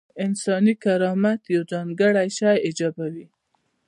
انساني کرامت یو ځانګړی شی ایجابوي.